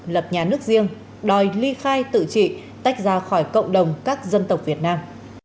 lập nhà nước riêng đòi ly khai tự trị tách ra khỏi cộng đồng các dân tộc việt nam